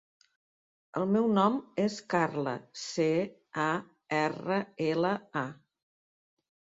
El meu nom és Carla: ce, a, erra, ela, a.